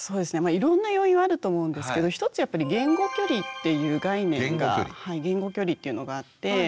いろんな要因はあると思うんですけど１つやっぱり「言語距離」っていう概念が言語距離っていうのがあって。